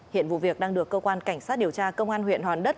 hiện vụ việc đang được cơ quan cảnh sát điều tra công an huyện hòn đất